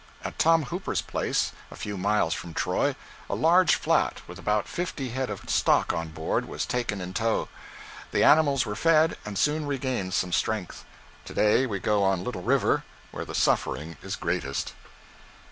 At Tom Hooper's place, a few miles from Troy, a large flat, with about fifty head of stock on board, was taken in tow. The animals were fed, and soon regained some strength. To day we go on Little River, where the suffering is greatest.